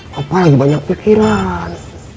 pak pak lagi banyak pikiran